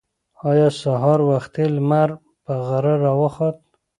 ایا سهار وختي لمر په غره راوخوت؟